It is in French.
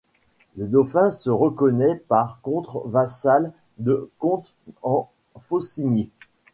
Le dauphin se reconnaît par contre vassal du comte en Faucigny.